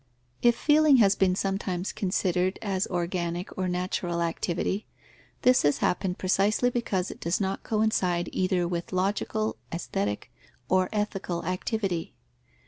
_ If feeling has been sometimes considered as organic or natural activity, this has happened precisely because it does not coincide either with logical, aesthetic, or ethical activity.